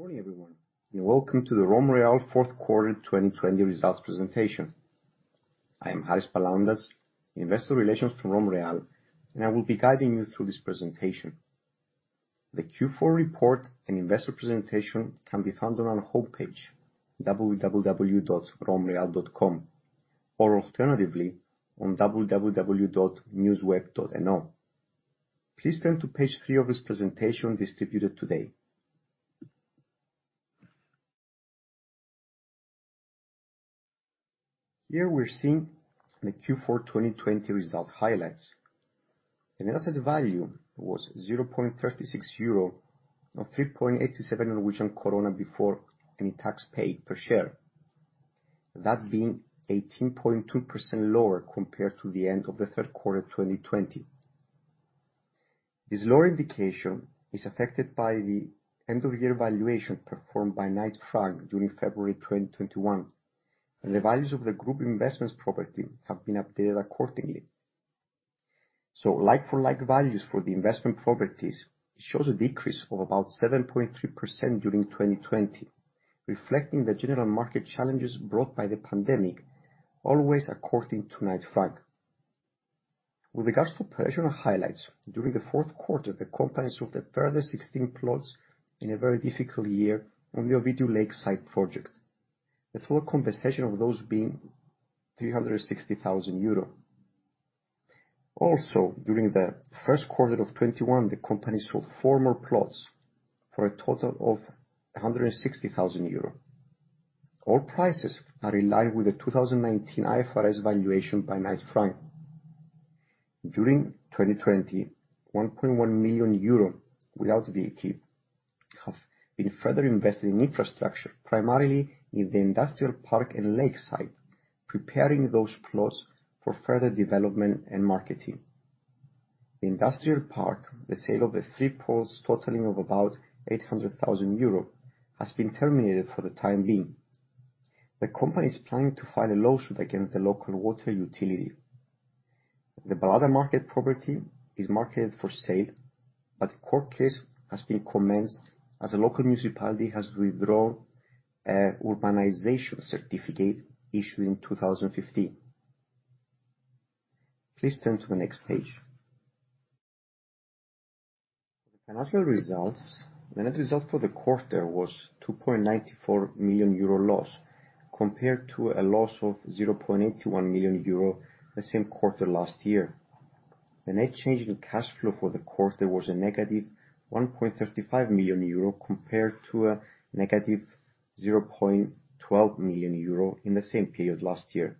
Good morning, everyone, welcome to the RomReal Q4 2020 results presentation. I am Harris Palaondas, Investor Relations from RomReal, and I will be guiding you through this presentation. The Q4 report and investor presentation can be found on our homepage, www.romreal.com, or alternatively, on www.newsweb.no. Please turn to page three of this presentation distributed today. Here we're seeing the Q4 2020 result highlights. The net asset value was €0.36 or 3.87 before any tax paid per share, that being 18.2% lower compared to the end of the Q3 2020. This lower indication is affected by the end-of-year valuation performed by Knight Frank during February 2021, and the values of the group investments property have been updated accordingly. Like for like values for the investment properties, it shows a decrease of about 7.3% during 2020, reflecting the general market challenges brought by the pandemic, always according to Knight Frank. With regards to operational highlights, during the Q4, the company sold a further 16 plots in a very difficult year on the Ovidiu Lakeside project. The total compensation of those being €360,000. Also, during the Q1 of 2021, the company sold four more plots for a total of €160,000. All prices are in line with the 2019 IFRS valuation by Knight Frank. During 2020, €1.1 million without VAT have been further invested in infrastructure, primarily in the industrial park and lakeside, preparing those plots for further development and marketing. The industrial park, the sale of the three plots totaling of about €800,000, has been terminated for the time being. The company is planning to file a lawsuit against the local water utility. The Balada Market property is marketed for sale. The court case has been commenced as the local municipality has withdrawn an urbanization certificate issued in 2015. Please turn to the next page. The financial results, the net result for the quarter was 2.94 million euro loss, compared to a loss of 0.81 million euro the same quarter last year. The net change in cash flow for the quarter was a negative 1.35 million euro, compared to a negative 0.12 million euro in the same period last year.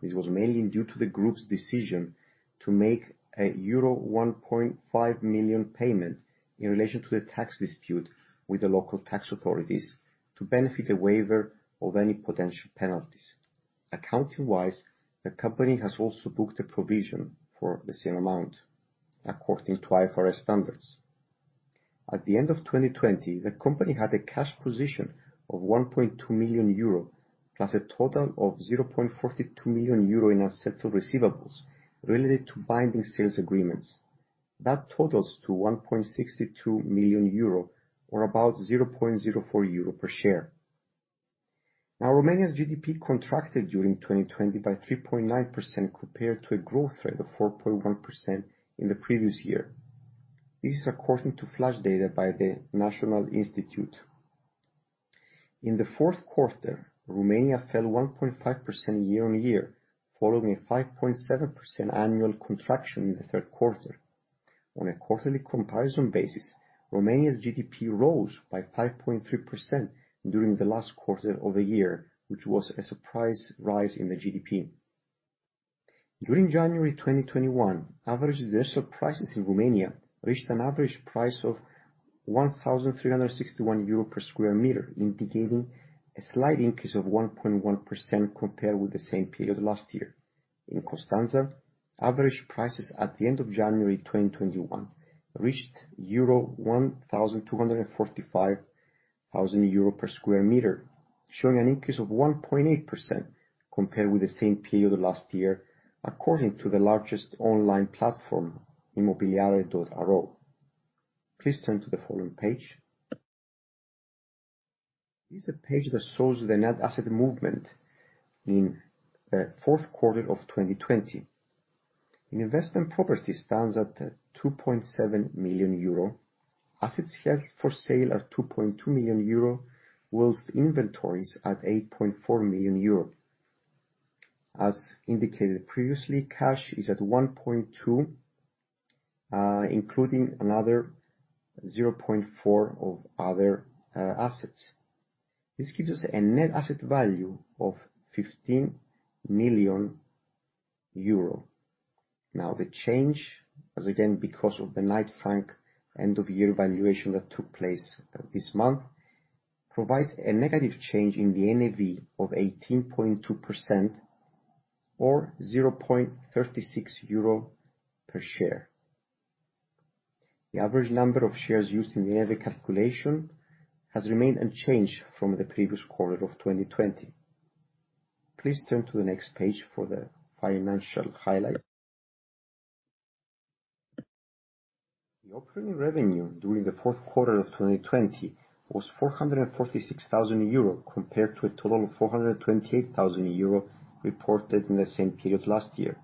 This was mainly due to the group's decision to make a euro 1.5 million payment in relation to the tax dispute with the local tax authorities to benefit a waiver of any potential penalties. Accounting-wise, the company has also booked a provision for the same amount according to IFRS standards. At the end of 2020, the company had a cash position of 1.2 million euro, plus a total of 0.42 million euro in unsettled receivables related to binding sales agreements. That totals to 1.62 million euro, or about 0.04 euro per share. Now, Romania's GDP contracted during 2020 by 3.9% compared to a growth rate of 4.1% in the previous year. This is according to flash data by the National Institute. In the Q4, Romania fell 1.5% year-on-year, following a 5.7% annual contraction in the Q3. On a quarterly comparison basis, Romania's GDP rose by 5.3% during the last quarter of the year, which was a surprise rise in the GDP. During January 2021, average residential prices in Romania reached an average price of €1,361 per square meter, indicating a slight increase of 1.1% compared with the same period last year. In Constanța, average prices at the end of January 2021 reached 1,245 euro per square meter, showing an increase of 1.8% compared with the same period last year, according to the largest online platform, imobiliare.ro. Please turn to the following page. This is a page that shows the net asset movement in the Q4 of 2020. An investment property stands at €2.7 million. Assets held for sale are €2.2 million, whilst inventories at €8.4 million. As indicated previously, cash is at 1.2, including another 0.4 of other assets. This gives us a net asset value of €15 million. The change, as again because of the Knight Frank end-of-year valuation that took place this month, provides a negative change in the NAV of 18.2% or €0.36 per share. The average number of shares used in the NAV calculation has remained unchanged from the previous quarter of 2020. Please turn to the next page for the financial highlights. The operating revenue during the Q4 of 2020 was €446,000 compared to a total of €428,000 reported in the same period last year.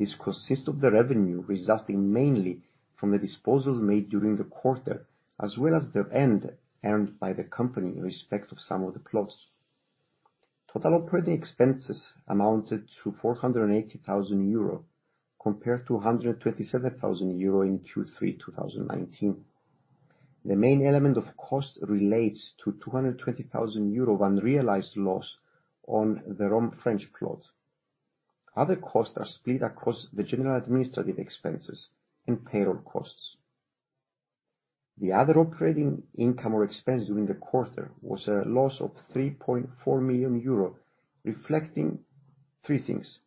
This consists of the revenue resulting mainly from the disposals made during the quarter, as well as the rent earned by the company in respect of some of the plots. Total operating expenses amounted to €480,000 compared to €127,000 in Q3 2019. The main element of cost relates to €220,000 unrealized loss on the Rofrench plot. Other costs are split across the general administrative expenses and payroll costs. The other operating income or expense during the quarter was a loss of 3.4 million euro, reflecting three things,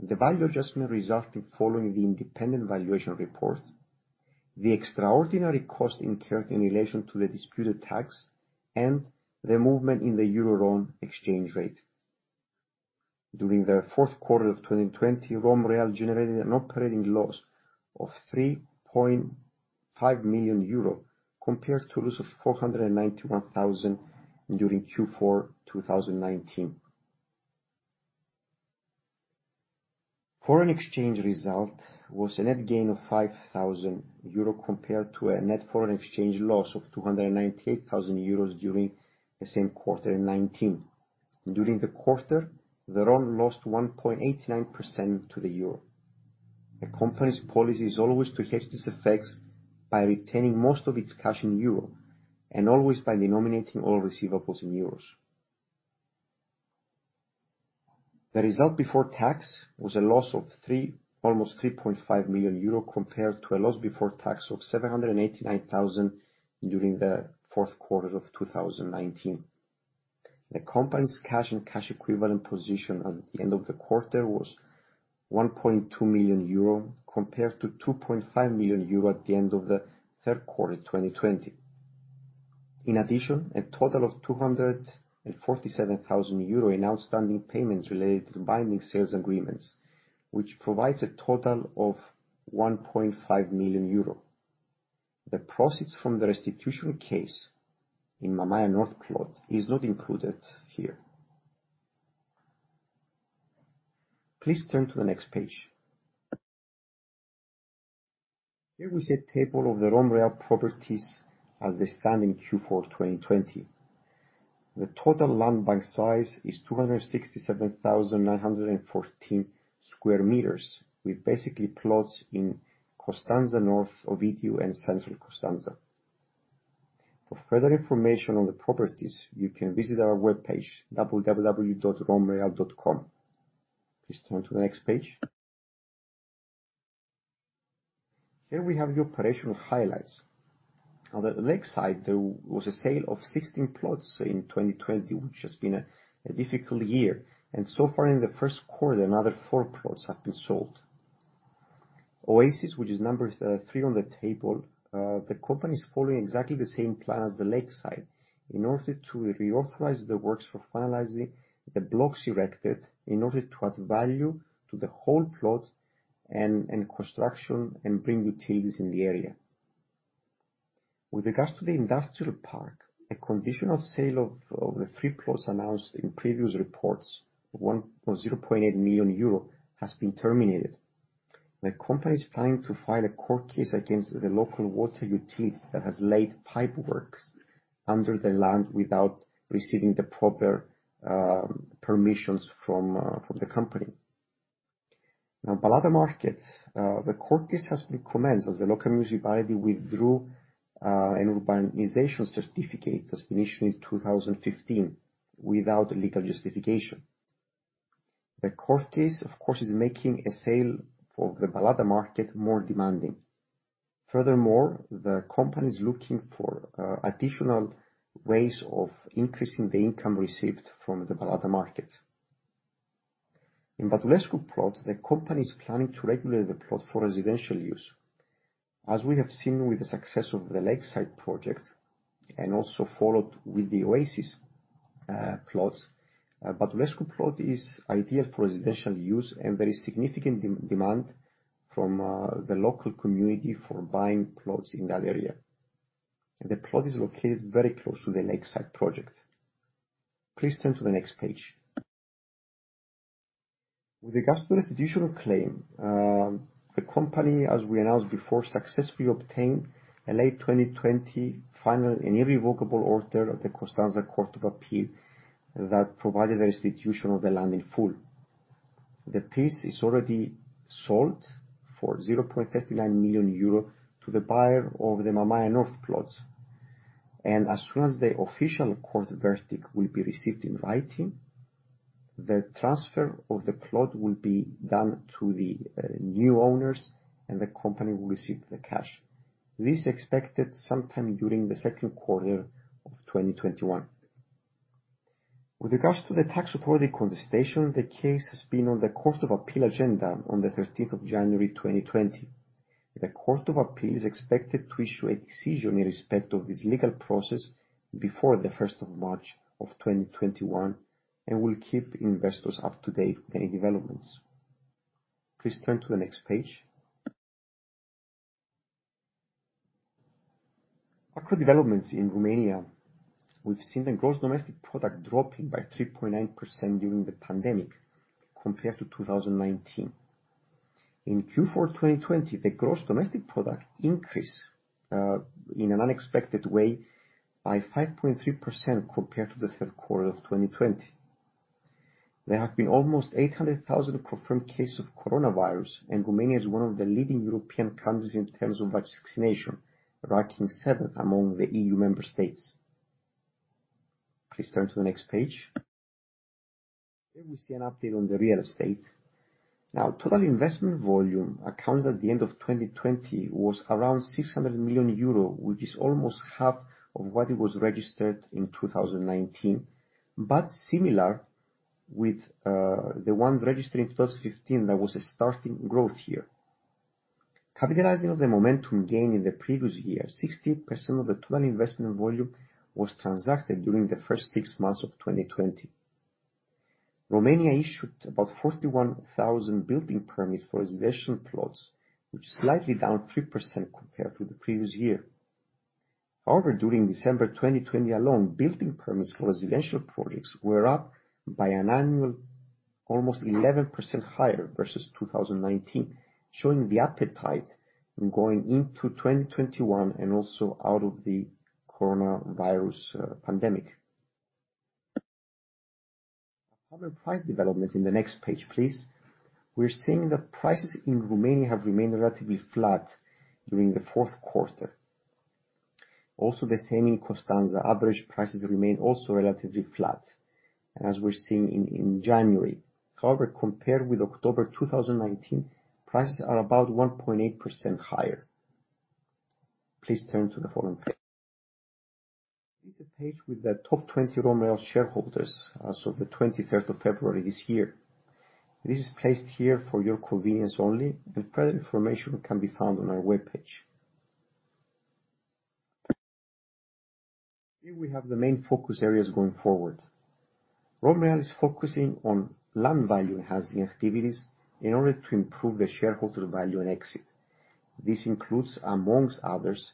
the value adjustment resulting following the independent valuation report, the extraordinary cost incurred in relation to the disputed tax, and the movement in the Euro-RON exchange rate. During the Q4 of 2020, RomReal generated an operating loss of 3.5 million euro compared to a loss of 491,000 during Q4 2019. Foreign exchange result was a net gain of 5,000 euro compared to a net foreign exchange loss of 298,000 euros during the same quarter in 2019. During the quarter, the RON lost 1.89% to the euro. The company's policy is always to hedge these effects by retaining most of its cash in euro and always by denominating all receivables in euros. The result before tax was a loss of almost 3.5 million euro compared to a loss before tax of 789,000 during the Q4 of 2019. The company's cash and cash equivalent position as at the end of the quarter was 1.2 million euro compared to 2.5 million euro at the end of the Q3 2020. In addition, a total of 247,000 euro in outstanding payments related to binding sales agreements, which provides a total of 1.5 million euro. The proceeds from the restitution case in Mamaia North plot is not included here. Please turn to the next page. Here is a table of the RomReal properties as they stand in Q4 2020. The total land bank size is 267,914 sq m, with basically plots in Constanța, North Ovidiu, and Central Constanța. For further information on the properties, you can visit our webpage, www.romreal.com. Please turn to the next page. Here we have the operational highlights. On the lakeside, there was a sale of 16 plots in 2020, which has been a difficult year. So far in the Q1, another four plots have been sold. Oasis, which is number three on the table, the company is following exactly the same plan as the lakeside in order to reauthorize the works for finalizing the blocks erected in order to add value to the whole plot and construction and bring utilities in the area. With regards to the industrial park, a conditional sale of the three plots announced in previous reports of €0.8 million has been terminated. The company is planning to file a court case against the local water utility that has laid pipeworks under the land without receiving the proper permissions from the company. Balada Market, the court case has been commenced as the local municipality withdrew an urbanization certificate that was issued in 2015 without legal justification. The court case, of course, is making a sale for the Balada Market more demanding. Furthermore, the company is looking for additional ways of increasing the income received from the Balada Market. In Badulescu plot, the company is planning to regulate the plot for residential use. As we have seen with the success of the lakeside project, and also followed with the Oasis plots, Badulescu plot is ideal for residential use, and there is significant demand from the local community for buying plots in that area. The plot is located very close to the lakeside project. Please turn to the next page. With regards to the institutional claim, the company, as we announced before, successfully obtained a late 2020 final and irrevocable order of the Constanța Court of Appeal that provided the restitution of the land in full. The piece is already sold for €0.39 million to the buyer of the Mamaia North plots. As soon as the official court verdict will be received in writing, the transfer of the plot will be done to the new owners, and the company will receive the cash. This is expected sometime during the Q2 of 2021. With regards to the tax authority contestation, the case has been on the Court of Appeal agenda on the 13th of January 2020. The Court of Appeal is expected to issue a decision in respect of this legal process before the 1st of March of 2021. We'll keep investors up to date with any developments. Please turn to the next page. Macro developments in Romania, we've seen the gross domestic product dropping by 3.9% during the pandemic compared to 2019. In Q4 2020, the gross domestic product increased in an unexpected way by 5.3% compared to the Q3 of 2020. There have been almost 800,000 confirmed cases of coronavirus. Romania is one of the leading European countries in terms of vaccination, ranking seventh among the EU member states. Please turn to the next page. Here we see an update on the real estate. Now, total investment volume accounted at the end of 2020 was around 600 million euro, which is almost half of what was registered in 2019. Similar with the ones registered in 2015, there was a starting growth year. Capitalizing on the momentum gain in the previous year, 60% of the total investment volume was transacted during the first six months of 2020. Romania issued about 41,000 building permits for residential plots, which is slightly down 3% compared to the previous year. During December 2020 alone, building permits for residential projects were up by an annual almost 11% higher versus 2019, showing the appetite going into 2021 and also out of the coronavirus pandemic. Public price developments in the next page, please. We're seeing that prices in Romania have remained relatively flat during the Q4. Also, the same in Constanța. Average prices remain also relatively flat and as we're seeing in January. Compared with October 2019, prices are about 1.8% higher. Please turn to the following page. This is a page with the top 20 RomReal shareholders as of the 23rd of February this year. This is placed here for your convenience only, and further information can be found on our webpage. Here we have the main focus areas going forward. RomReal is focusing on land value enhancing activities in order to improve the shareholder value and exit. This includes, amongst others,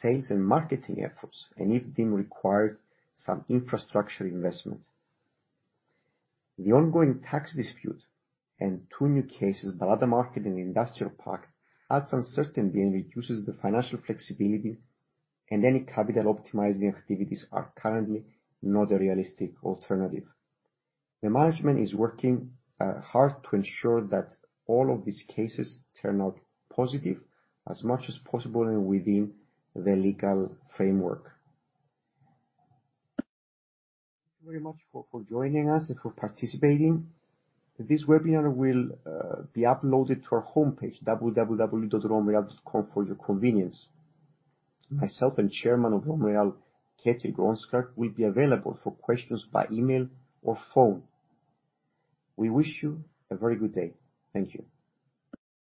sales and marketing efforts and if deemed required, some infrastructure investment. The ongoing tax dispute and two new cases, Balada Market and Industrial Park, adds uncertainty and reduces the financial flexibility, and any capital optimizing activities are currently not a realistic alternative. The management is working hard to ensure that all of these cases turn out positive as much as possible and within the legal framework. Thank you very much for joining us and for participating. This webinar will be uploaded to our homepage, www.romreal.com, for your convenience. Myself and Chairman of RomReal, Kjetil Grønskag, will be available for questions by email or phone. We wish you a very good day. Thank you.